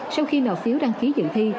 sau khi nộp phiếu đăng ký dự thi